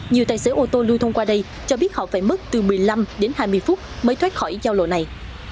nhiều tài xế ô tô lưu thông qua đây cho biết họ phải mất từ một mươi năm đến hai mươi phút mới thoát khỏi giao lộ này